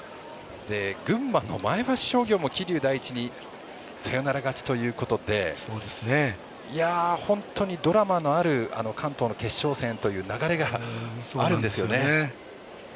群馬の前橋商業も桐生第一にサヨナラ勝ちということで本当にドラマのある関東の決勝戦という流れがあるんですよね。